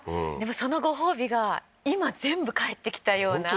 そのご褒美が今、全部かえってきたような。